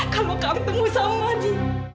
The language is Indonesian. kalau kamu temui sama aja